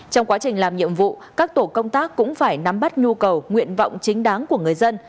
trong quá trình làm nhiệm vụ các tổ công tác cũng phải nắm bắt nhu cầu nguyện vọng chính đáng của người dân